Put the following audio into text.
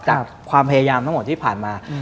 จากความพยายามทั้งหมดที่ผ่านมา